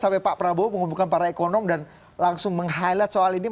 sampai pak prabowo mengumpulkan para ekonom dan langsung meng highlight soal ini